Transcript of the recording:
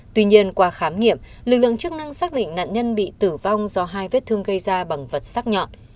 tuy nhiên qua khám nghiệm lực lượng chức năng xác định nạn nhân bị tử vong do hai vết thương gây ra bằng vật xác nhọn